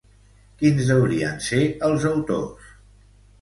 Quins deurien ser els autors?